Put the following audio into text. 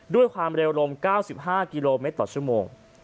ด้วยความเร็วลม๙๕กิโลเมตรต่อชั่วโมง